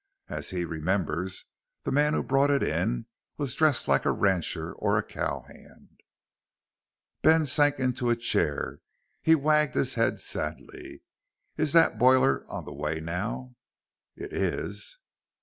As he remembers, the man who brought it in was dressed like a rancher or a cow hand." Ben sank into a chair. He wagged his head sadly. "Is that boiler on the way now?" "It is."